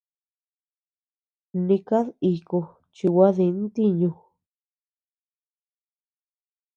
Ni kad iku chi gua di ntiñu.